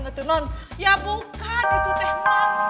ya bukan itu teh malu